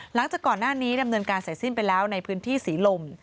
หลังจากก่อนหน้านี้ดำเนินการเสร็จสิ้นไปแล้วในพื้นที่ศรีลม